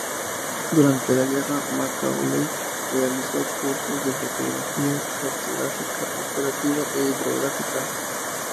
Durante la guerra, Macauley realizó cursos de fotogrametría, cartografía operativa e hidrografía.